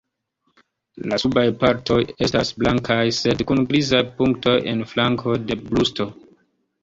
La subaj partoj estas blankaj, sed kun grizaj punktoj en flankoj de brusto.